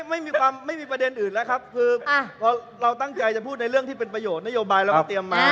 ไม่มีความไม่มีประเด็นอื่นแล้วครับคือพอเราตั้งใจจะพูดในเรื่องที่เป็นประโยชนนโยบายเราก็เตรียมมา